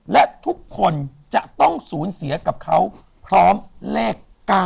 และทุกคนจะต้องสูญเสียกับเขาพร้อมเลข๙